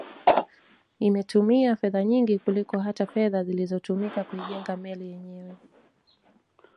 Imetumia fedha nyingi kuliko hata fedha zilizotumika kuijenga meli yenyewe